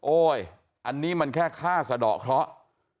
โอ้ยอันนี้มันแค่ฆ่าสะดอกเค้า